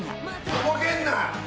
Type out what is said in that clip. とぼけんな！